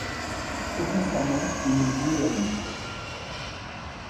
Aucun serment ne nous liait à lui.